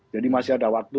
jadi masih ada waktu